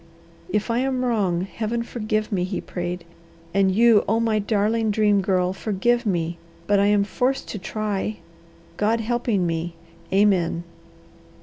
"If I am wrong, Heaven forgive me," he prayed. "And you, oh, my darling Dream Girl, forgive me, but I am forced to try God helping me! Amen."